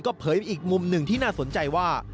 เผยอีกมุมหนึ่งที่น่าสนใจว่า